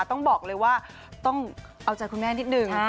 ต้องบอกเลยว่าต้องเอาใจคุณแม่นิดนึง